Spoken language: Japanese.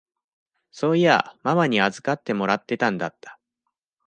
そういやママに預かってもらってたんだった。